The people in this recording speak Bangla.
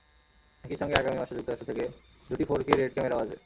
একই সঙ্গে আগামী মাসে যুক্তরাষ্ট্র থেকে দুটি ফোর-কে রেড ক্যামেরাও আসবে।